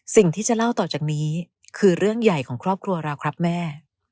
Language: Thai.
สิ่งที่จะเล่าต่อจากนี้คือเรื่องใหญ่ของครอบครัวเราครับแม่